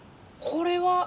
これは。